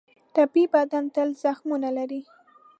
ټپي بدن تل زخمونه لري.